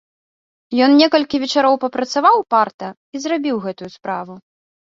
Ён некалькі вечароў папрацаваў упарта і зрабіў гэтую справу.